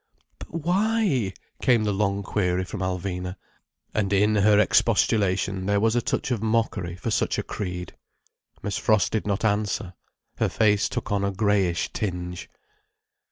"But why—?" came the long query from Alvina. And in her expostulation there was a touch of mockery for such a creed. Miss Frost did not answer. Her face took on a greyish tinge.